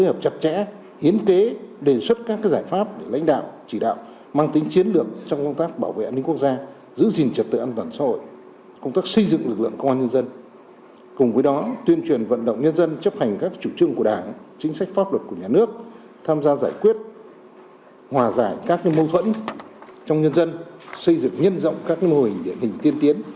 hòa giải các mâu thuẫn trong nhân dân xây dựng nhân rộng các mô hình để hình tiên tiến